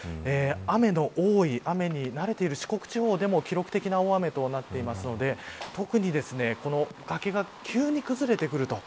雨の多い雨に慣れている四国地方でも記録的な大雨となっているので特にこの崖が急に崩れてくると。